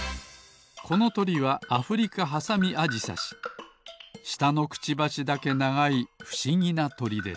このとりはアフリカハサミアジサシしたのクチバシだけながいふしぎなとりです。